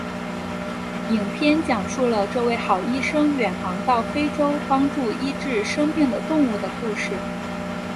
影片讲述了这位好医生远航到非洲帮助医治生病的动物的故事。